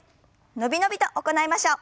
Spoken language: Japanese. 伸び伸びと行いましょう。